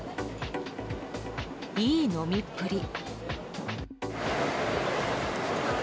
いい飲みっぷり。